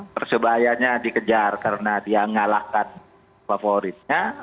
persebayanya dikejar karena dia ngalahkan favoritnya